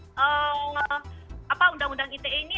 undang undang ite ini